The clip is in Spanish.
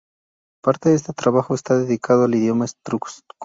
Parte de este trabajo está dedicado al idioma etrusco.